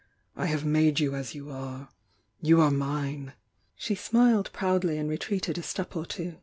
I have made you as you are! — you are mine!" She smiled proudly and retreated a step or two.